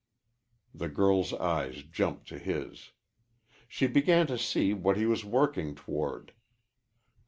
The girl's eyes jumped to his. She began to see what he was working toward.